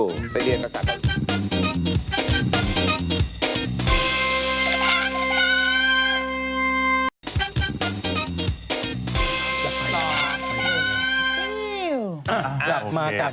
ใช่เดี๋ยวกลับมา